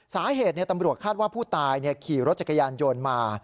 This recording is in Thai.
สาเหตุตำรวจคาดว่าผู้ตายขี่รถจักรยานยนต์มา